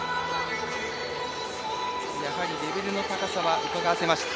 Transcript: やはりレベルの高さはうかがわせました。